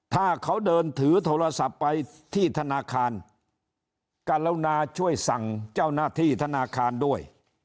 ถ้าเขาเดินถือโทรศัพท์ไปที่ธนาคารกรุณาช่วยสั่งเจ้าหน้าที่ธนาคารด้วย